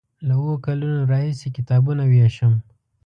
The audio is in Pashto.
له اوو کلونو راهیسې کتابونه ویشم.